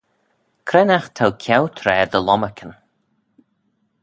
Cre'n aght t'ou ceau traa dty lomarcan?